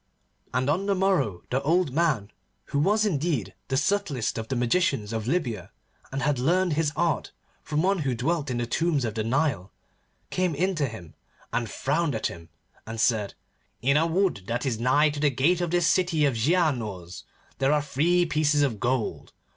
And on the morrow the old man, who was indeed the subtlest of the magicians of Libya and had learned his art from one who dwelt in the tombs of the Nile, came in to him and frowned at him, and said, 'In a wood that is nigh to the gate of this city of Giaours there are three pieces of gold.